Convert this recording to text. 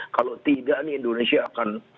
kalau tidak nih indonesia akan